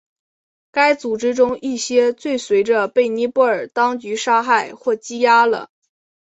该组织中一些最随着被尼泊尔当局杀害或羁押了。